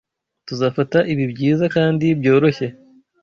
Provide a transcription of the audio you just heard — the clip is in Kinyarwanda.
Tuzafata ibi byiza kandi byoroshye.